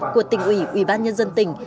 của tỉnh ủy ủy ban nhân dân tỉnh